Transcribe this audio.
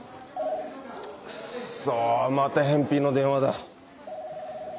チックッソまた返品の電話だ。